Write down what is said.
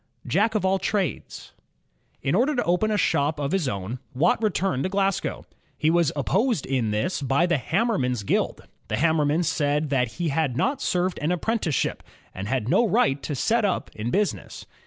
Jack of all trades In order to open a shop of his own, Watt returned to Glasgow. He was opposed in this by the hammermen's ^uild. The hammermen said that he had not served an apprenticeship and had no right to set up in business.